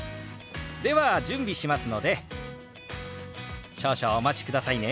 では準備しますので少々お待ちくださいね。